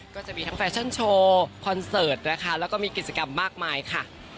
ก็จะมีทั้งแฟชั่นโชว์คอนเสิร์ตนะคะแล้วก็มีกิจกรรมมากมายค่ะ